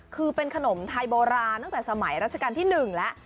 คือเป็นขนมไทยโบราณตั้งแต่สมัยราชการที่๑แล้ว